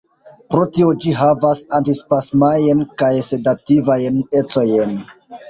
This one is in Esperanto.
Pro tio ĝi havas antispasmajn kaj sedativajn ecojn.